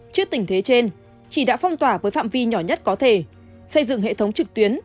trước tình thế trên chị đã phong tỏa với phạm vi nhỏ nhất có thể xây dựng hệ thống trực tuyến